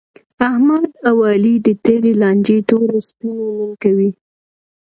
احمد او علي د تېرې لانجې توره سپینه نن کوي.